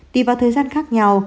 tùy vào thời gian khác nhau